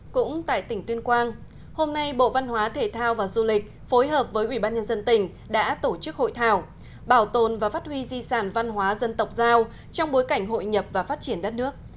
cũng tại tỉnh tuyên quang hôm nay bộ văn hóa thể thao và du lịch phối hợp với ủy ban nhân dân tỉnh đã tổ chức hội thảo bảo tồn và phát huy di sản văn hóa dân tộc giao trong bối cảnh hội nhập và phát triển đất nước